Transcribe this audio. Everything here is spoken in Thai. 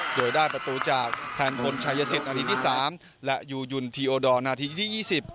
โดยได้ประตูจากแทนคนชายยสิตอาทิตย์๓และยูยุลทีโอดออนาทิตย์๒๐